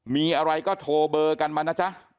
มีอะไรก็โทรเบอร์กันมานะจ๊ะ